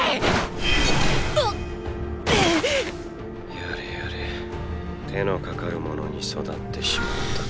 やれやれ手のかかるものに育ってしまった。